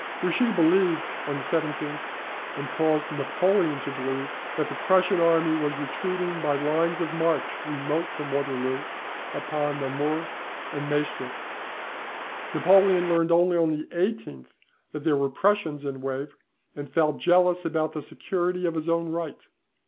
Grouchy believed, on the 17th, and caused Napoleon to believe, that the Prussian army was retreating by lines of march remote from Waterloo upon Namur and Maestricht. Napoleon learned only on the 18th, that there were Prussians in Wavre, and felt jealous about the security of his own right.